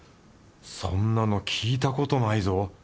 そんなの聞いたことないぞ。